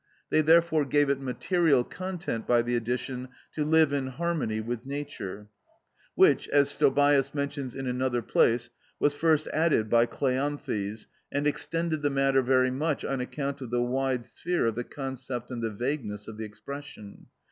They therefore gave it material content by the addition—"to live in harmony with nature" (ὁμολογουμενως τῃ φυσει ζῃν), which, as Stobæus mentions in another place, was first added by Kleanthes, and extended the matter very much on account of the wide sphere of the concept and the vagueness of the expression.